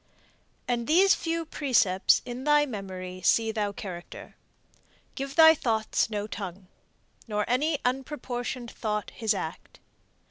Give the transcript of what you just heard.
And these few precepts in thy memory See thou character: Give thy thoughts no tongue. Nor any unproportion'd thought his act.